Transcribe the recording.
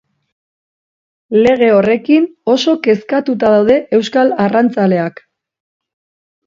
Lege horrekin oso kezkatuta daude euskal arrantzaleak.